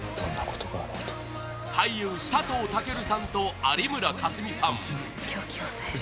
俳優・佐藤健さんと有村架純さん